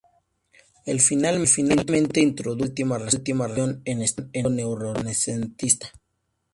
Él finalmente introdujo la última restauración, en estilo neorrenacentista.